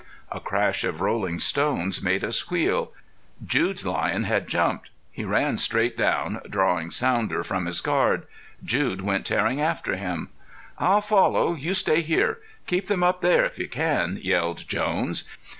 A crash of rolling stones made us wheel. Jude's lion had jumped. He ran straight down, drawing Sounder from his guard. Jude went tearing after them. "I'll follow; you stay here. Keep them up there, if you can!" yelled Jones.